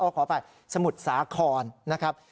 อ้อขอไปสมุทรสาครนะครับ